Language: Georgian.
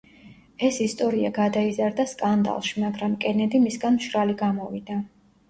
ეს ისტორია გადაიზარდა სკანდალში, მაგრამ კენედი მისგან მშრალი გამოვიდა.